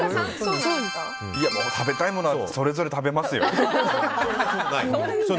食べたいものはそれぞれ食べますよ。